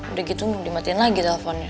udah gitu dimatin lagi telfonnya